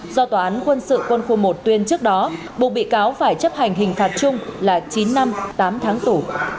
do tòa án quân sự quân khu một tuyên trước đó buộc bị cáo phải chấp hành hình phạt chung là chín năm tám tháng tù